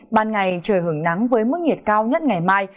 ban ngày trời hưởng nắng với mức nhiệt cao nhất ngày mai